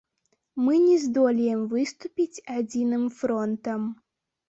Мы не здолеем выступіць адзіным фронтам.